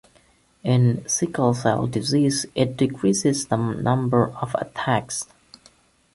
In sickle-cell disease it decreases the number of attacks.